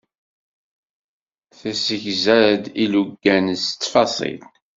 Tessegza-d ilugan s ttfaṣil.